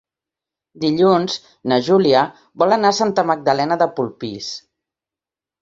Dilluns na Júlia vol anar a Santa Magdalena de Polpís.